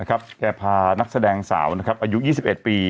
แกพานักแสดงสาวอายุ๒๑ปี